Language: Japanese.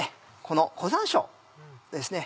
この粉山椒ですね